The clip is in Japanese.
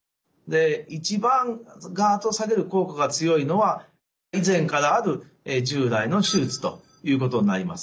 一番眼圧を下げる効果が強いのは以前からある従来の手術ということになります。